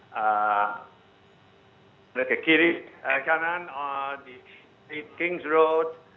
mereka kiri kanan di kings road